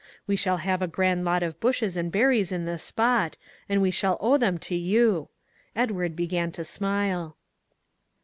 We shall have a grand lot of bushes and berries in this spot, and we shall owe them to you. Edward began to smile.